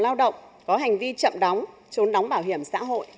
lao động có hành vi chậm đóng trốn đóng bảo hiểm xã hội